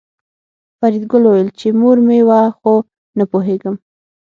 فریدګل وویل چې مور مې وه خو نه پوهېږم